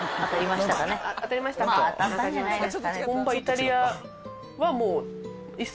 まぁ当たったんじゃないですかね。